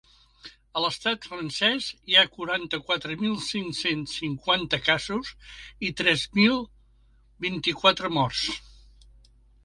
A l’estat francès hi ha quaranta-quatre mil cinc-cents cinquanta casos i tres mil vint-i-quatre morts.